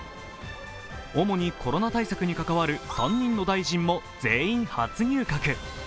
主にコロナ対策に関わる３人の大臣も全員、初入閣。